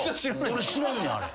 俺知らんねんあれ。